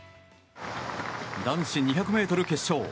男子２００ｍ決勝。